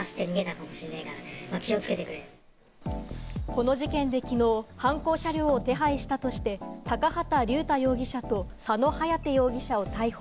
この事件できのう、犯行車両を手配したとして、高畑竜太容疑者と佐野颯容疑者を逮捕。